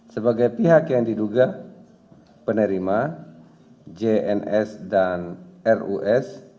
sebagai pihak yang diduga penerima jns dan rus